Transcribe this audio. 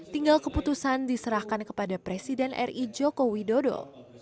tinggal keputusan diserahkan kepada presiden ri joko widodo